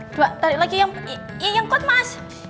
dua tarik lagi yang kuat mas